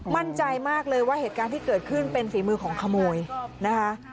มั่นใจมากเลยว่าเหตุการณ์ที่เกิดขึ้นเป็นฝีมือของขโมยนะคะ